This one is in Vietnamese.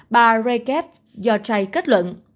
bà jaref yorjai kết luận